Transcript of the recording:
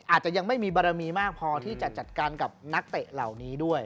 อาจจะยังไม่มีบารมีมากพอที่จะจัดการกับนักเตะเหล่านี้ด้วย